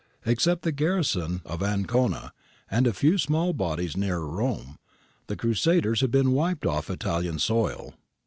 Except the garrison of Ancona, and a few small bodies nearer Rome, the crusaders had been wiped off Italian soil.'